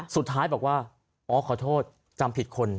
สุดท้ายบอกว่าอ๋อขอโทษจำผิดคน